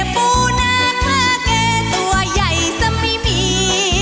ปูนางฆ่าเก๋ตัวใหญ่สะมิมี